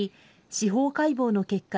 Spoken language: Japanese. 司法解剖の結果